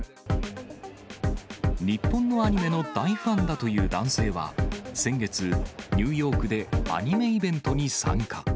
日本のアニメの大ファンだという男性は、先月、ニューヨークでアニメイベントに参加。